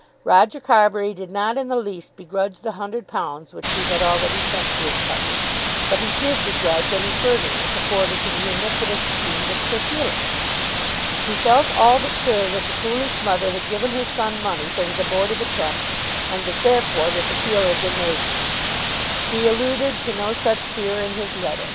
Roger Carbury did not in the least begrudge the hundred pounds which he had already sent to his cousin; but he did begrudge any furtherance afforded to the iniquitous schemes of Sir Felix. He felt all but sure that the foolish mother had given her son money for his abortive attempt, and that therefore this appeal had been made to him. He alluded to no such fear in his letter.